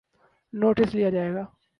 Notice لیا جائے گا۔